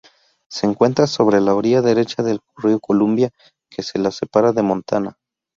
Se encuentra sobre la orilla derecha del río Columbia, que la separa de Montana.